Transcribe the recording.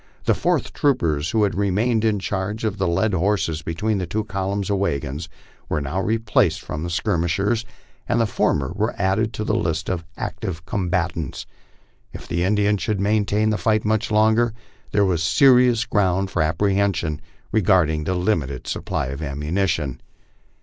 The " fourth troopers," who had remained in charge of the led horses between the two columns of wagons, were now replaced from the skirmishers, and the former were added to the list of active combatants. If the Indiana should maintain the fight much longer, there was serious ground for apprehen sion regarding the limited supply of ammunition.